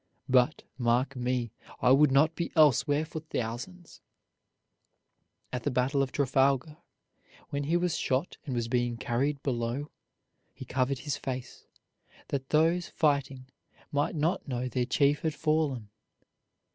But, mark me, I would not be elsewhere for thousands." At the battle of Trafalgar, when he was shot and was being carried below, he covered his face, that those fighting might not know their chief had fallen.